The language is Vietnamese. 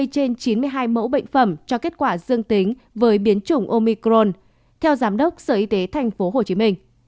hai mươi trên chín mươi hai mẫu bệnh phẩm cho kết quả dương tính với biến chủng omicron theo giám đốc sở y tế tp hcm